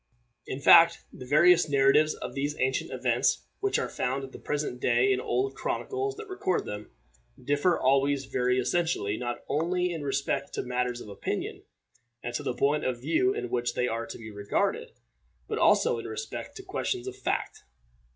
In fact, the various narratives of these ancient events, which are found at the present day in the old chronicles that record them, differ always very essentially, not only in respect to matters of opinion, and to the point of view in which they are to be regarded, but also in respect to questions of fact.